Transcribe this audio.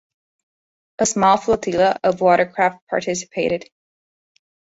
A small flotilla of watercraft participated.